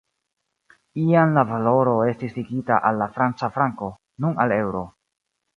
Iam la valoro estis ligita al la franca franko, nun al eŭro.